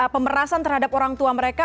pemerasan terhadap orang tua mereka